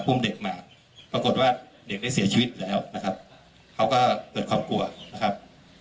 อุ้มเด็กมาปรากฏว่าเด็กได้เสียชีวิตแล้วนะครับเขาก็เกิดความกลัวนะครับ